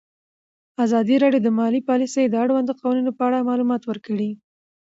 ازادي راډیو د مالي پالیسي د اړونده قوانینو په اړه معلومات ورکړي.